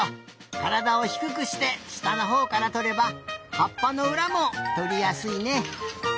からだをひくくしてしたのほうからとればはっぱのうらもとりやすいね。